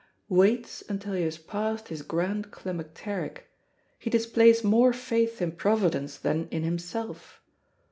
... waits until he has passed his grand climacteric, he displays more faith in Providence than in himself.